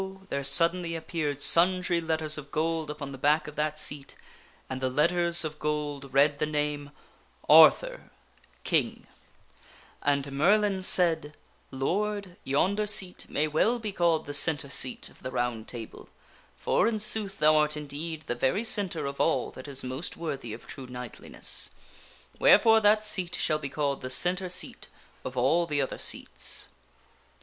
there suddenly appeared sundry letters of gold upon the back of that seat, and the letters of gold read the name, And Merlin said, " Lord, yonder seat may well be called the centre seat of the Round Table, for, in sooth, thou art indeed the very centre of all that is most worthy of true knightliness. Wherefore that seat shall be called the centre seat of all the other seats."